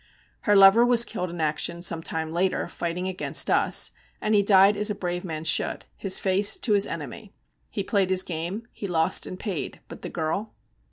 Her lover was killed in action some time later fighting against us, and he died as a brave man should, his face to his enemy. He played his game, he lost, and paid; but the girl?